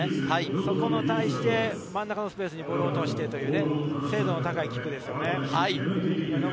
それに対して真ん中のスペースにボールを落として、精度の高いキックです。